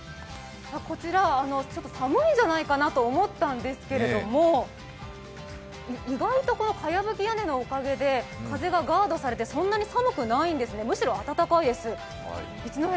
こちら寒いんじゃないかなと思ったんですけれども、意外とかやぶき屋根のおかげで風がガードされてそんなに寒くないんですね、むしろ暖かいです。